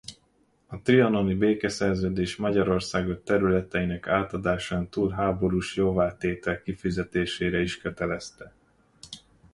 A trianoni békeszerződés Magyarországot területeinek átadásán túl háborús jóvátétel kifizetésére is kötelezte.